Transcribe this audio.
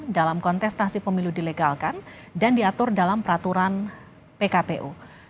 dalam kontestasi pemilu dilegalkan dan diatur dalam peraturan pkpu